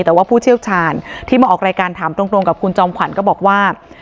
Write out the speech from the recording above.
แต่ว่าผู้เชี่ยวชาญที่มาออกรายการถามตรงกับคุณจอมขวัญก็บอกว่า